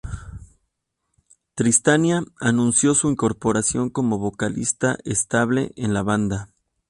Tristania anunció su incorporación como vocalista estable en la banda.